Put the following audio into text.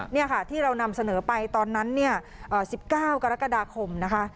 นี่ค่ะที่เรานำเสนอไปตอนนั้นเนี่ย๑๙กรกฎาคมนะคะ